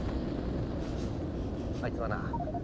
あいつはな